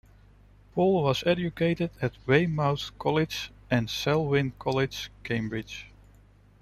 Paul was educated at Weymouth College and Selwyn College, Cambridge.